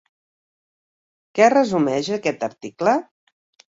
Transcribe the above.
Què resumeix aquest article?